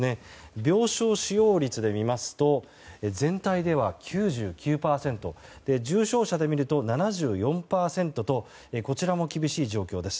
病床使用率で見ますと全体では９９％重症者で見ると７４％とこちらも厳しい状況です。